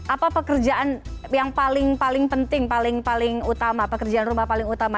apa pekerjaan yang paling penting paling utama pekerjaan rumah paling utama